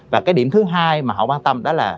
và cái điểm thứ hai mà họ quan tâm đó là